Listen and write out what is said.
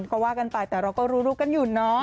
ก็ว่ากันไปแต่เราก็รู้กันอยู่เนาะ